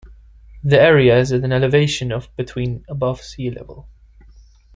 The area is at an elevation of between above sea level.